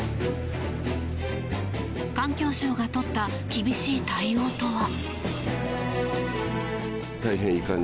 環境省がとった厳しい対応とは。